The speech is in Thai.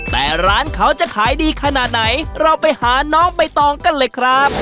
แต่ร้านเขาจะขายดีขนาดไหนเราไปหาน้องใบตองกันเลยครับ